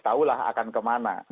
tahulah akan kemana